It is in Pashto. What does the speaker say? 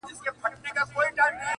زړه ته را تیري زما درنې خورکۍ٫